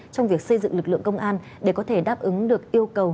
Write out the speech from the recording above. trong việc xây dựng lực lượng công an để có thể đáp ứng được yêu cầu